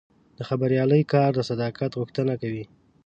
د خبریالۍ کار د صداقت غوښتنه کوي.